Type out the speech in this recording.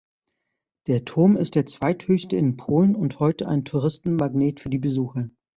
Der Turm ist der zweithöchste in Polen und heute ein Touristenmagnet für die Besucher.